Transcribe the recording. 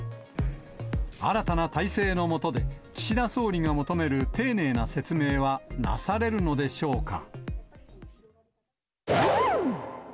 新たな体制の下で、岸田総理が求める丁寧な説明は、なされるのでしょうか。